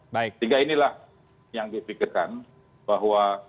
sehingga inilah yang dipikirkan bahwa